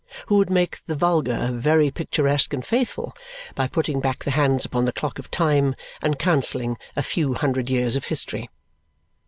Who would make the vulgar very picturesque and faithful by putting back the hands upon the clock of time and cancelling a few hundred years of history.